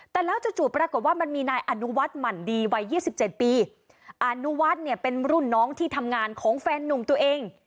แต่แล้วจู่จู่ปรากฏว่ามันมีนายอนุวัฒน์หมั่นดีวัยยี่สิบเจ็ดปีอนุวัฒน์เนี่ยเป็นรุ่นน้องที่ทำงานของแฟนนุ่มตัวเอง